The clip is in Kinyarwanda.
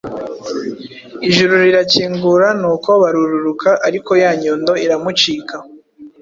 Ijuru rirakingura n'uko barururuka. Ariko ya nyundo iramucika,